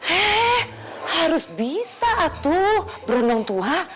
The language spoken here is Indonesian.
hei harus bisa tuh berenang tua